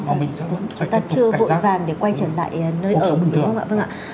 mình sẽ vẫn phải tiếp tục cảnh giác cuộc sống bình thường